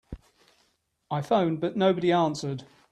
I phoned but nobody answered.